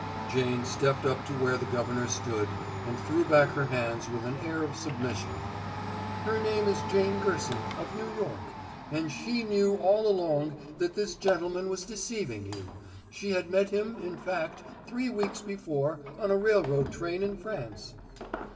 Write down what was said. Jane stepped up to where the governor stood and threw back her hands with an air of submission. "Her name is Jane Gerson, of New York, and she knew all along that this gentleman was deceiving you she had met him, in fact, three weeks before on a railroad train in France."